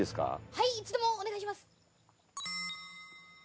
はいいつでもお願いします。